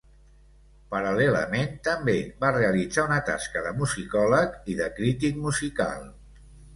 Paral·lelament, també va realitzar una tasca de musicòleg i de crític musical.